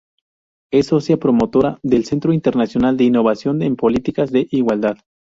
Es socia promotora del Centro Internacional de Innovación en Políticas de Igualdad.